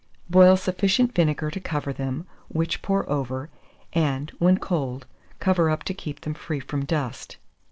Boil sufficient vinegar to cover them, which pour over, and, when cold, cover up to keep them free from dust.